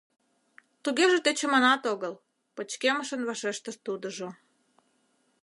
— Тугеже тӧчыманат огыл, — пычкемышын вашештыш тудыжо.